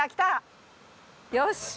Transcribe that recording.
よし！